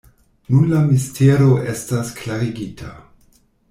Nun la mistero estas klarigita.